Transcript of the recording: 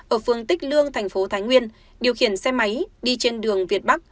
ở phường tích lương thành phố thái nguyên điều khiển xe máy đi trên đường việt bắc